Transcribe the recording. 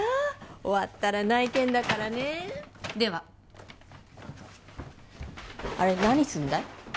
終わったら内見だからねではあれ何すんだい？